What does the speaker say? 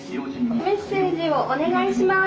メッセージをお願いします。